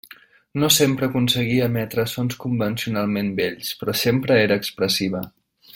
No sempre aconseguia emetre sons convencionalment bells, però sempre era expressiva.